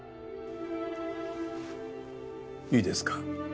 いいですか。